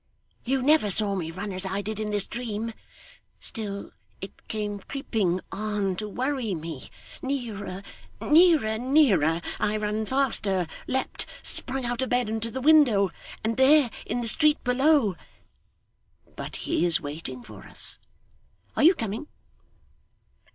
'You never saw me run as I did in this dream. Still it came creeping on to worry me. Nearer, nearer, nearer I ran faster leaped sprung out of bed, and to the window and there, in the street below but he is waiting for us. Are you coming?